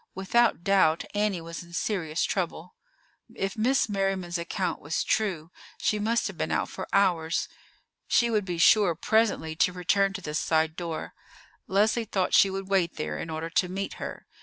Without doubt, Annie was in serious trouble. If Miss Merriman's account was true, she must have been out for hours. She would be sure presently to return to this side door. Leslie thought she would wait there in order to meet her.